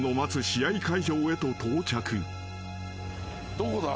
どこだ？